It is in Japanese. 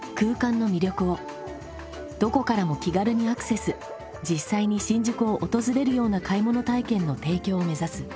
どこからも気軽にアクセス実際に新宿を訪れるような買い物体験の提供を目指す。